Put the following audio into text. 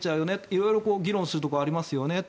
色々議論するところありますよね。